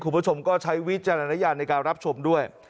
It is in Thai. คุณผู้ชมก็ใช้วิจารณญาณในการรับชมด้วย